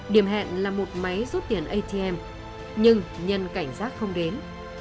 điểm hẹn là một máy rút tiền atm nhưng nhân cảnh giác không đến